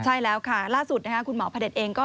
ใช่แล้วค่าล่าสุดคุณหมอผดดเองก็